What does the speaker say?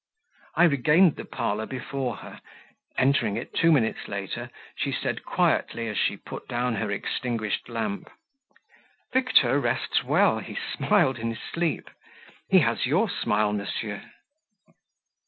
I regained the parlour before her. Entering it two minutes later she said quietly as she put down her extinguished lamp "Victor rests well: he smiled in his sleep; he has your smile, monsieur."